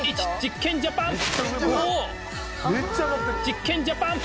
実験ジャパン！